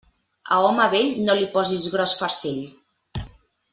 A home vell no li posis gros farcell.